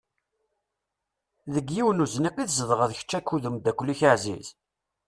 Deg yiwen uzniq i tzedɣem kečč akked umdakel-ik aɛziz?